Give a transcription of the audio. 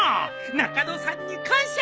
中野さんに感謝じゃ。